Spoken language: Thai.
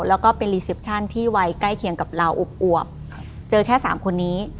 แล้วก็เป็นรีเซปชั่นที่วัยใกล้เคียงกับเราอวบเจอแค่สามคนนี้